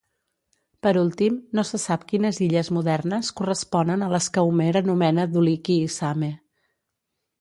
Per últim, no se sap quines illes modernes corresponen a les que Homer anomena Duliqui i Same.